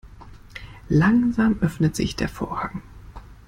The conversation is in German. Langsam öffnet sich der Vorhang.